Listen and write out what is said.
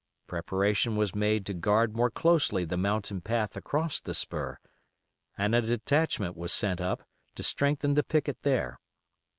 Preparation was made to guard more closely the mountain path across the spur, and a detachment was sent up to strengthen the picket there.